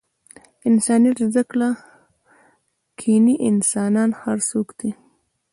انسانیت زده کړئ! کنې انسان هر څوک دئ!